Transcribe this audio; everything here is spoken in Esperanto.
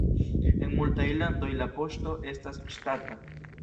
En multaj landoj la poŝto estas ŝtata.